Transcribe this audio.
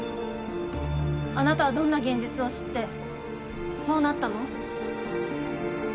あなたはどんな現実を知ってそうなったの？